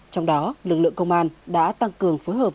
trong đó lực lượng công an đã tăng cường phối hợp